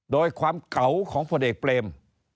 โดยความเก่าของพลเอกเปรม